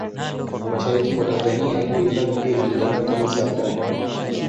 Mashariki mwa Tanzania ipo hifadhi pia ijulikanayo kama Saadani